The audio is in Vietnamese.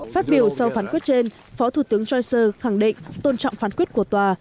phát biểu sau phán quyết trên phó thủ tướng johnser khẳng định tôn trọng phán quyết của tòa